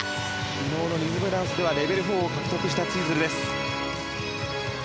昨日のリズムダンスではレベル４を獲得したツイズルです。